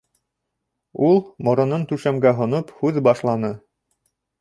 Ул, моронон түшәмгә һоноп һүҙ башланы.